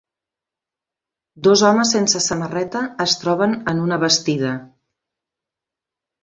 Dos homes sense samarreta es troben en una bastida.